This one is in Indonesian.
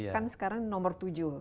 kan sekarang nomor tujuh